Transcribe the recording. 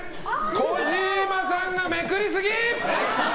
児嶋さんがめくりすぎ！